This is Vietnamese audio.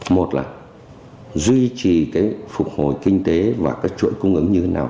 một là duy trì cái phục hồi kinh tế và cái chuỗi cung ứng như thế nào